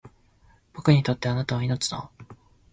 僕にとって貴方は命だ